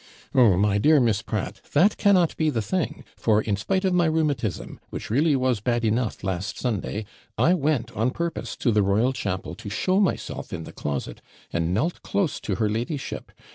'Oh, my dear Miss Pratt, that cannot be the thing; for, in spite of my rheumatism, which really was bad enough last Sunday, I went on purpose to the Royal Chapel, to show myself in the closet, and knelt close to her ladyship.